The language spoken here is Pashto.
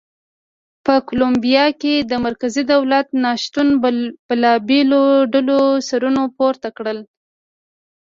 په کولمبیا کې د مرکزي دولت نه شتون بېلابېلو ډلو سرونه پورته کړل.